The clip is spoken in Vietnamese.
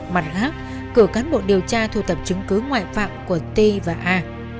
mặt khác cử cán bộ điều tra thu tập chứng cứ ngoại phạm của t và a